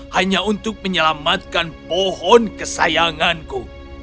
hanya untuk menyelamatkan pohon kesayanganku